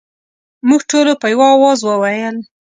موږ ټولو په یوه اواز وویل.